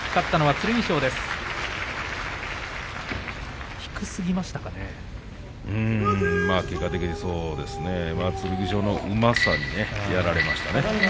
剣翔のうまさにやられましたね。